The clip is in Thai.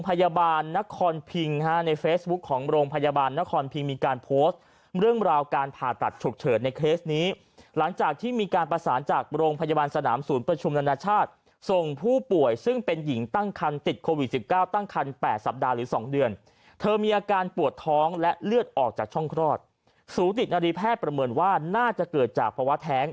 พยาบาลนครพิงฮะในเฟซบุ๊คของโรงพยาบาลนครพิงมีการโพสต์เรื่องราวการผ่าตัดฉุกเฉินในเคสนี้หลังจากที่มีการประสานจากโรงพยาบาลสนามศูนย์ประชุมนานาชาติส่งผู้ป่วยซึ่งเป็นหญิงตั้งคันติดโควิดสิบเก้าตั้งคัน๘สัปดาห์หรือ๒เดือนเธอมีอาการปวดท้องและเลือดออกจากช่องคลอดศูนย์ติดนารีแพทย์ประเมินว่าน่าจะเกิดจากภาวะแท้ง